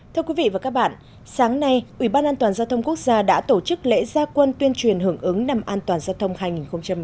thưa quý vị và các bạn sáng nay ủy ban an toàn giao thông quốc gia đã tổ chức lễ gia quân tuyên truyền hưởng ứng năm an toàn giao thông hai nghìn một mươi chín